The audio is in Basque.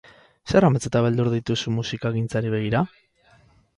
Zer amets eta beldur dituzu musikagintzari begira?